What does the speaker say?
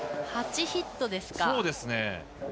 ８ヒットですか。